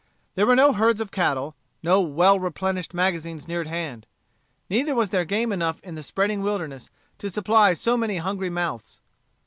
There were no herds of cattle, no well replenished magazines near at hand. Neither was there game enough in the spreading wilderness to supply so many hungry mouths.